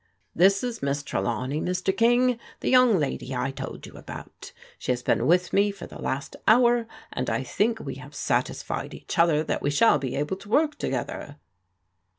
" This is Miss Trelawney, Mr. King, the young lady I told you about. She has been with me for the last hour, and I think we have satisfied each other that we shall be able to work together."